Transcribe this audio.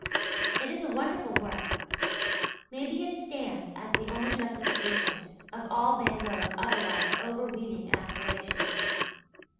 It is a wonderful work. Maybe it stands as the only justification of all Van Gogh's otherwise overweening aspirations.